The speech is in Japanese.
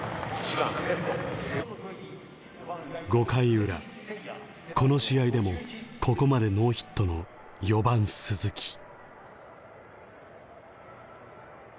５回ウラこの試合でもここまでノーヒットの４番鈴木。